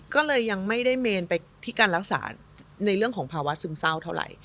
ก็เลยยังไม่ได้เมนไปที่การรักษาในเรื่องของภาวะซึมเศร้าเท่าไหร่